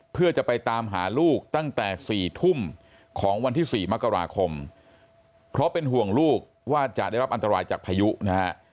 เพื่อจะไปตามหาลูกตั้งแต่๔ทุ่มของวันที่๔มกราคมเพราะเป็นห่วงลูกว่าจะได้รับอันตรายจากพายุนะฮะ